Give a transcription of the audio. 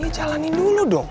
jalanin dulu dong